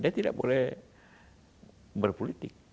dia tidak boleh berpolitik